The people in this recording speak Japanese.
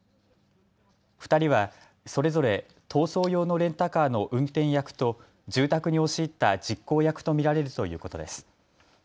２人はそれぞれ逃走用のレンタカーの運転役と住宅に押し入った実行役と見られるということです。